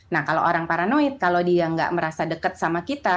nah kalau orang paranoid kalau dia nggak merasa dekat sama kita